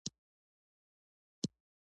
د تولید ډېرښت د اقتصادي تحرک لامل کیږي.